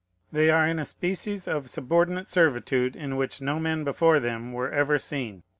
They are in a species of subordinate servitude in which no men before them were ever seen.